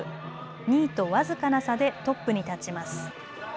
２位と僅かな差でトップに立ちます。